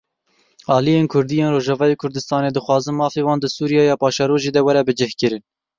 Aliyên kurdî yên Rojavayê Kurdistanê dixwazin mafê wan di Sûriyeya paşerojê de were bicihkirin.